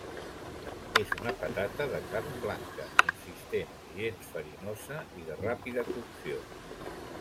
És una patata de carn blanca, consistent, gens farinosa i de ràpida cocció.